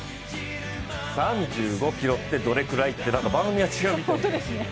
「３５ｋｍってどれくらい？」って番組が違うみたい。